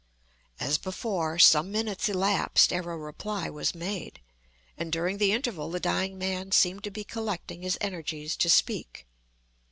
As before, some minutes elapsed ere a reply was made; and during the interval the dying man seemed to be collecting his energies to speak.